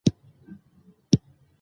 د قانون تطبیق ګډه دنده ده